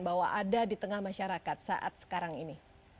bahwa ada di tengah masyarakat saat sekarang ini